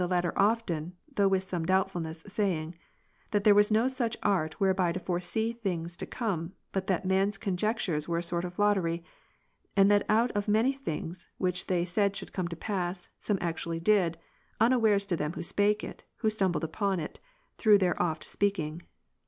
latter often (though with some doubtfulness) saying, " That there was no such art whereby to foresee things to come, but 1 that men's conjectures were a sort of lottery, and that out of imany things, which they said should come to pass, some actually did, unawares to them who spake it, who stumbled I upon it, through their oft speaking."